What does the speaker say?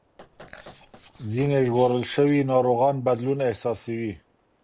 ځینې ژغورل شوي ناروغان بدلون احساسوي.